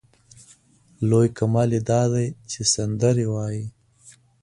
لوی کمال یې دا دی چې سندرې وايي.